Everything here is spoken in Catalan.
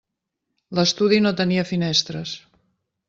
L'estudi no tenia finestres.